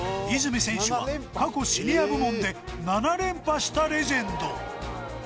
泉選手は過去シニア部門で７連覇したレジェンド